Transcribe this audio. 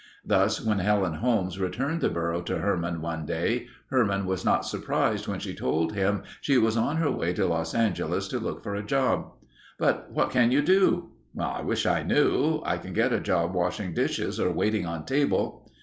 Thus when Helen Holmes returned the burro to Herman one day, Herman was not surprised when she told him she was on her way to Los Angeles to look for a job. "But what can you do?" "I wish I knew. I can get a job washing dishes or waiting on table."